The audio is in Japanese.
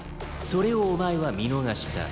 「それをお前は見逃した」